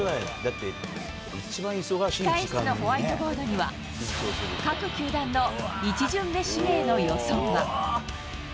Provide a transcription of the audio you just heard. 控え室のホワイトボードには、各球団の１巡目指名の予想が。